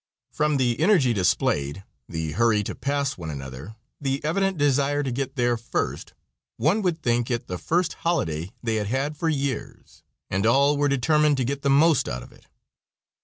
From the energy displayed, the hurry to pass one another, the evident desire to get there first, one would think it the first holiday they had had for years, and all were determined to get the most out of it!